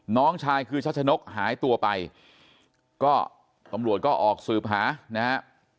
น้องชายคือชัชนกหายตัวไปก็ตำรวจก็ออกสืบหานะฮะ